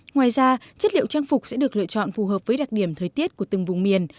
ngoài ra chất liệu trang phục sẽ được lựa chọn phù hợp với đặc điểm thời tiết của từng vùng miền